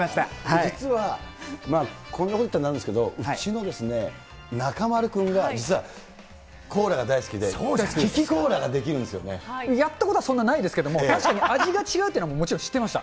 実は、こんなこと言ってはなんですけど、うちのですね、中丸君が実はコーラが大好きで、やったことはそんなないですけども、確かに味が違うっていうのはもちろん知ってました。